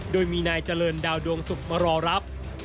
โดยมีนายเจริญดาวดวงศุกร์มารอรับ